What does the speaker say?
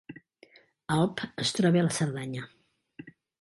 Alp es troba a la Cerdanya